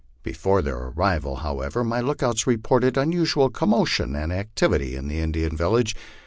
Before their arrival, however, my lookouts reported unusual commotion and activity in the Indian village.